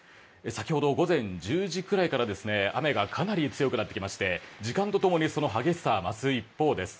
先ほど午前１０時くらいから雨がかなり強くなってきていまして時間とともにその激しさ増す一方です。